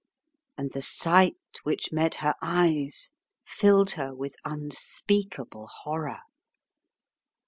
And the sight which met her eyes filled her with unspeakable horror.